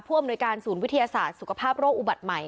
อำนวยการศูนย์วิทยาศาสตร์สุขภาพโรคอุบัติใหม่